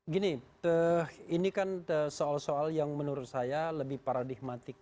gini ini kan soal soal yang menurut saya lebih paradigmatik